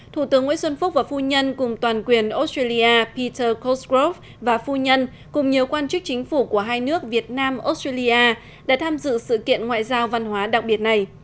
thủ tướng nguyễn xuân phúc và phu nhân cùng toàn quyền australia peter cosgrov và phu nhân cùng nhiều quan chức chính phủ của hai nước việt nam australia đã tham dự sự kiện ngoại giao văn hóa đặc biệt này